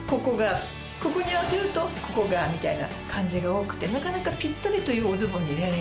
ここに合わせるとここがみたいな感じが多くてなかなかピッタリというおズボンに出会えない。